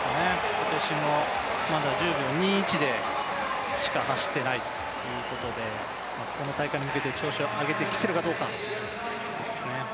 今年もまだ１０秒２１でしか走っていないということでこの大会に向けて、調子を上げてきているかどうかです。